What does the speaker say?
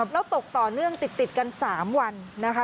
แล้วตกต่อเนื่องติดกัน๓วันนะคะ